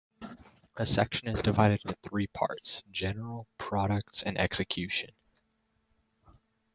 A Section is divided into three Parts-"general," "products," and "execution.